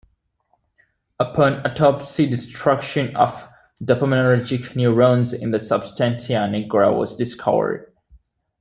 Upon autopsy, destruction of dopaminergic neurons in the substantia nigra was discovered.